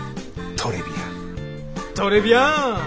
トレビアン！